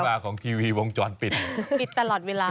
มาของทีวีวงจรปิดปิดตลอดเวลา